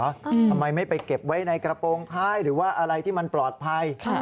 ทำไมไม่ไปเก็บไว้ในกระโปรงท้ายหรือว่าอะไรที่มันปลอดภัย